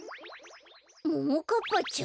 ももかっぱちゃん。